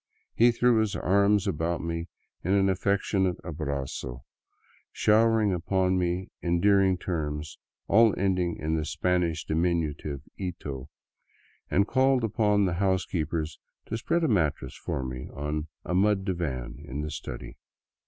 He threw his arms about me in an affectionate ahrazo, showering upon me endearing terms, all ending in the Spanish diminutive ito, and called upon the housekeepers to spread a mattress for me on a mud divan in the study.